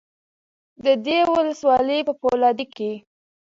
د دې ولسوالۍ په فولادي کې